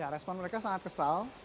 respon mereka sangat kesal